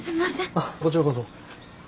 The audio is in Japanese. あっこちらこそ。